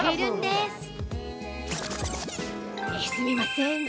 すみませーん。